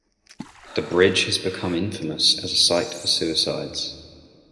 The bridge has become infamous as a site for suicides.